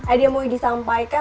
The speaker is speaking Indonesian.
idea yang mau disampaikan